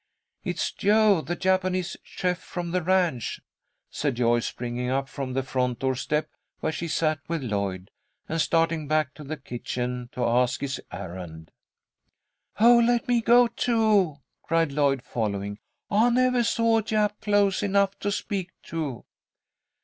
"It's Jo, the Japanese chef from the ranch," said Joyce, springing up from the front door step where she sat with Lloyd, and starting back to the kitchen to ask his errand. "Oh, let me go, too," cried Lloyd, following. "I nevah saw a Jap close enough to speak to."